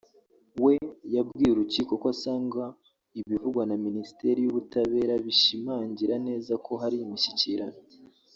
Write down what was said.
we yabwiye urukiko ko asanga ibivugwa na Minisiteri y’ubutabera bishimangira neza ko hari imishyikirano